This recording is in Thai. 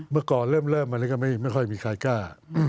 เมื่อก่อนเริ่มอะไรก็ไม่ค่อยมีใครกล้า